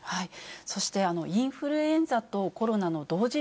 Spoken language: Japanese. そして、インフルエンザとコロナの同時